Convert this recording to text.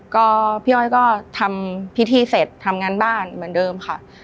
ก็พี่อ้อยก็ทำพิธีเสร็จทำงานบ้านเหมือนเดิมค่ะ